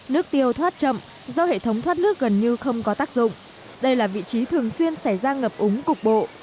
nước tiêu thoát chậm do hệ thống thoát nước gần như không có tác dụng đây là vị trí thường xuyên xảy ra ngập úng cục bộ